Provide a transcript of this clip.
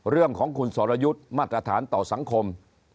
เรื่องของคุณสรยุทธ์มาตรฐานต่อสังคม